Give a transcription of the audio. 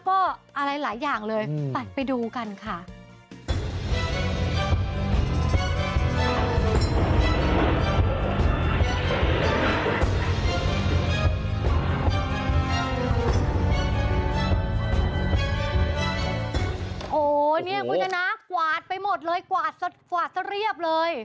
โอ้โหนี่คุณชนะกวาดไปหมดเลยกวาดสะเรียบเลย